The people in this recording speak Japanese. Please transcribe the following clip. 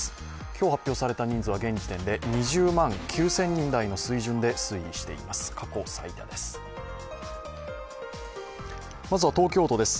今日発表された人数は２０万９０００人台の水準で推移しています。